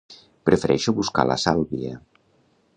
Prefereixo buscar la Sàlvia.